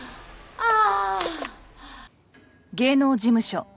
ああ。